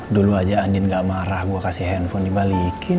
dulu aja andin gak marah gue kasih handphone dibalikin